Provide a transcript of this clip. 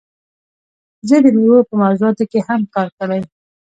زه د میوو په موضوعاتو کې هم کار کړی.